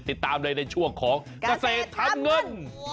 ติดตามเลยในช่วงของเกษตรทำเงิน